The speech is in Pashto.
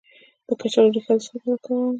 د کچالو ریښه د څه لپاره وکاروم؟